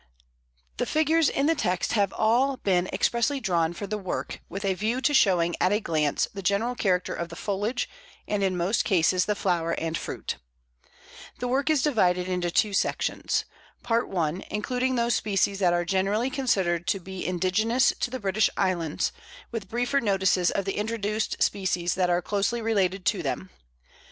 The figures in the text have all been expressly drawn for the work with a view to showing at a glance the general character of the foliage, and in most cases the flower and fruit. The work is divided into two sections. Part I. including those species that are generally considered to be indigenous to the British Islands, with briefer notices of the introduced species that are closely related to them.